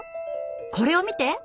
これを見て！